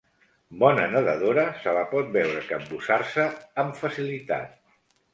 Bona nedadora, se la pot veure capbussar-se amb facilitat.